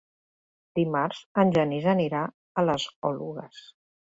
Dimarts en Genís anirà a les Oluges.